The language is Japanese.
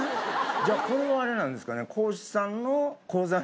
じゃあこれもあれなんですかね。